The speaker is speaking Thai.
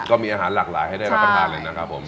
ก็มีอาหารหลากหลายให้ได้รับประทานเลยนะครับผม